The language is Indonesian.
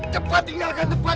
cepat tinggalkan tempat ini